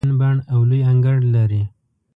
شین بڼ او لوی انګړ لري.